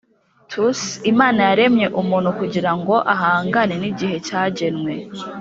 thus imana yaremye umuntu kugirango ahangane nigihe cyagenwe: